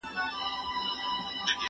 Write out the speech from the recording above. زه به سبا انځور وګورم!.